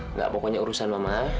nggak pokoknya urusan mama